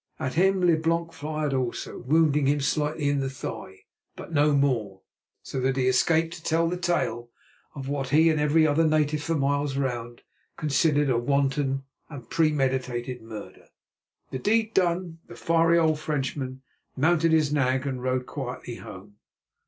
At him Leblanc fired also, wounding him slightly in the thigh, but no more, so that he escaped to tell the tale of what he and every other native for miles round considered a wanton and premeditated murder. The deed done, the fiery old Frenchman mounted his nag and rode quietly home.